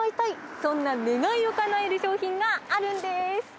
そんな願いをかなえる商品があるんです。